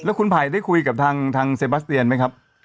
คุณไผ่ได้คุยกับทางเซบาสเตียนไหมครับ